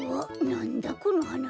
なんだこのはな。